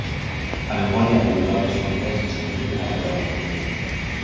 A memoria e a liberdade son ideas que se repiten arredor da familia.